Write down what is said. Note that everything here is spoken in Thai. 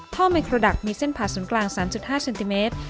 ท่อไมโครดักต์มีเส้นผาสุนกลาง๓๕เซนติเมตร